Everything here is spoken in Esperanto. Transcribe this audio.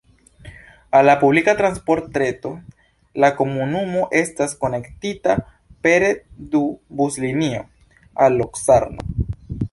Al la publika transportreto la komunumo estas konektita pere du buslinio al Locarno.